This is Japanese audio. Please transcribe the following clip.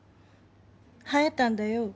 生えたんだよ